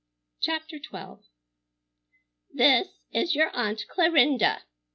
CHAPTER XII "This is your Aunt Clarinda!"